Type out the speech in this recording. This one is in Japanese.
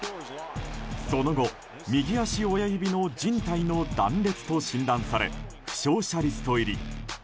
その後、右足親指のじん帯の断裂と診断され負傷者リスト入り。